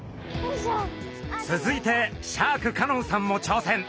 続いてシャーク香音さんもちょうせん！